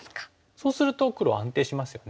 そうすると黒は安定しますよね。